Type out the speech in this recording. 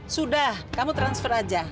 sudah kamu transfer aja